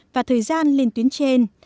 và thời gian lên tuyến trên